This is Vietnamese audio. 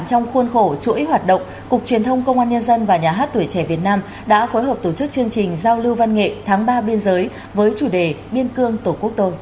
trong khuôn khổ chuỗi hoạt động cục truyền thông công an nhân dân và nhà hát tuổi trẻ việt nam đã phối hợp tổ chức chương trình giao lưu văn nghệ tháng ba biên giới với chủ đề biên cương tổ quốc tôi